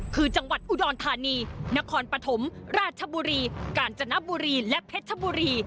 คือจังหวัดอุดรธานีนครปฐมราชบุรีกาญจนบุรีและเพชรบุรี